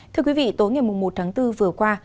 thưa quý vị tối ngày một tháng bốn vừa qua